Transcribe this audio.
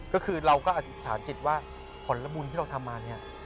ก็คือเราก็อธิษฐานจิตว่าผลบุญที่เราทำมาเนี่ย